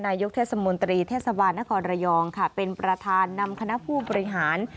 นายกเทศมนตรีเทศบาลนครระยองค่ะเป็นประธานนำคณะผู้บริหาร